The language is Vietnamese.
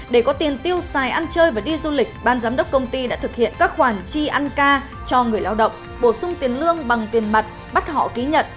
để có tiền tiêu xài ăn chơi và đi du lịch ban giám đốc công ty đã thực hiện các khoản chi ăn ca cho người lao động bổ sung tiền lương bằng tiền mặt bắt họ ký nhận